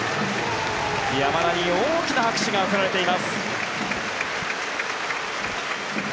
山田に大きな拍手が送られています。